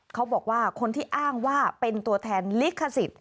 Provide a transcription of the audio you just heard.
เขาบอกว่าคนที่อ้างว่าเป็นตัวแทนลิขสิทธิ์